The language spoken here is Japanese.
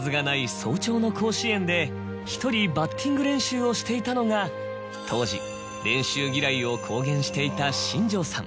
早朝の甲子園で１人バッティング練習をしていたのが当時練習嫌いを公言していた新庄さん。